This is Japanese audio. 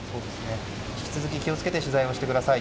引き続き気を付けて取材してください。